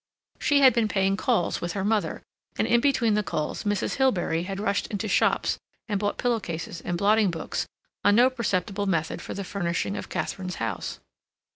She had been paying calls with her mother, and in between the calls Mrs. Hilbery had rushed into shops and bought pillow cases and blotting books on no perceptible method for the furnishing of Katharine's house.